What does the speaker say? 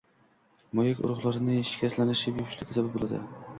Moyak, urug‘ yo‘llari shikastlanishi bepushtlikka sabab bo‘ladi.